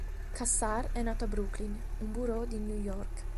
Kassar è nato a Brooklyn, un borough di New York.